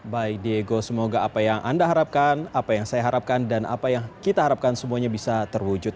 baik diego semoga apa yang anda harapkan apa yang saya harapkan dan apa yang kita harapkan semuanya bisa terwujud